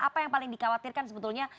apa yang paling dikhawatirkan sebetulnya